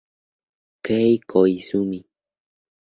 Kei Koizumi